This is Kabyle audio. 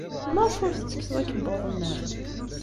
Maɣef ur tettekkseḍ akebbuḍ-nnem?